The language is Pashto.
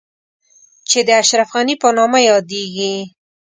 چې د اشرف غني په نامه يادېږي.